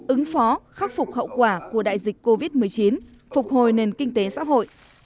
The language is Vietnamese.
ứng phó khắc phục hậu quả của đại dịch covid một mươi chín phục hồi nền kinh tế xã hội